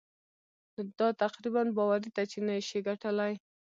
نو دا تقريباً باوري ده چې نه يې شې ګټلای.